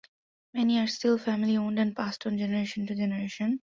Many are still family owned and passed on generation to generation.